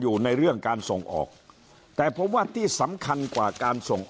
อยู่ในเรื่องการส่งออกแต่ผมว่าที่สำคัญกว่าการส่ง